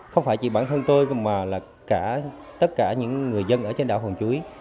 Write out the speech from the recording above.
không phải chỉ bản thân tôi mà là cả tất cả những người dân ở trên đảo hòn chuối